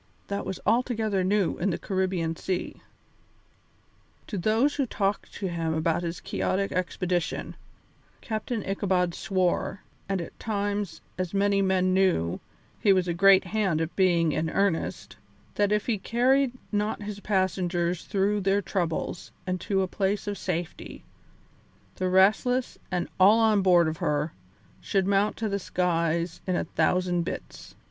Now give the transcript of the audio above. That was altogether new in the Caribbean Sea. To those who talked to him about his quixotic expedition, Captain Ichabod swore and at times, as many men knew, he was a great hand at being in earnest that if he carried not his passengers through their troubles and to a place of safety, the Restless, and all on board of her, should mount to the skies in a thousand bits.